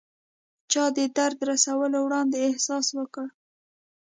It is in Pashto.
چاته د درد رسولو وړاندې احساس وکړه.